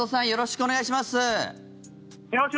よろしくお願いします。